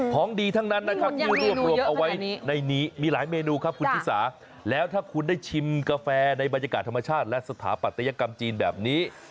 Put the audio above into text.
หอมดีทั้งนั้นนะครับมีหลายเมนูครับคุณพิษาแล้วถ้าคุณได้ชิมกาแฟในบรรยากาศธรรมชาติและสถาปัตยกรรมจีนแบบนี้